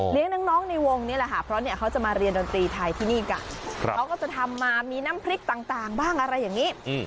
น้องในวงนี่แหละค่ะเพราะเนี่ยเขาจะมาเรียนดนตรีไทยที่นี่กันเขาก็จะทำมามีน้ำพริกต่างบ้างอะไรอย่างนี้